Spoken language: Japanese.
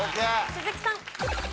鈴木さん。